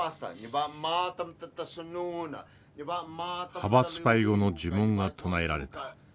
ハバスパイ語の呪文が唱えられた。